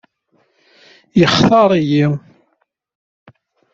Yextaṛ-iyi?